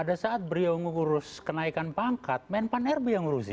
ada saat beliau mengurus kenaikan pangkat men pan rb yang mengurusnya